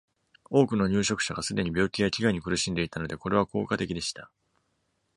多くの入植者が、すでに病気や飢餓に苦しんでいたので、これは効果的でした。